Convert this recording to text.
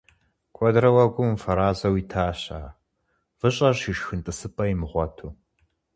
Куэдрэ уэгум уфэразэу итащ ар, выщӀэр щишхын тӀысыпӀэ имыгъуэту.